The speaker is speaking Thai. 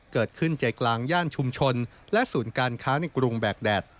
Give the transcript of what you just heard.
ใจกลางย่านชุมชนและศูนย์การค้าในกรุงแบกแดด